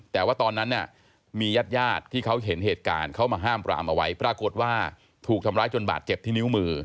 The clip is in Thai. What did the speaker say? แต่ว่าตอนนั้นเนี่ยมีญาติญาติที่เขาเห็นเหตุการณ์เขามาห้ามปรามเอาไว้ปรากฏว่าถูกทำร้ายจนบาดเจ็บที่นิ้วมือ